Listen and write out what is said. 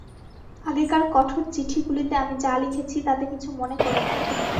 আগেকার কঠোর চিঠিগুলিতে আমি যা লিখেছি, তাতে কিছু মনে কর না।